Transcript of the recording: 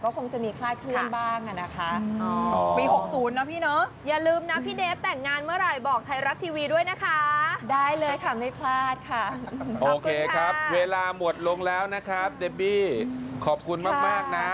น้องนี่กำหนดคลอดเมื่อไรวางกว่าแล้วยัง